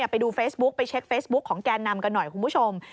ไปดูเฟซบุ๊กไปเช็คเฟซบุ๊คของแกนนำกันหน่อยคุณผู้ชม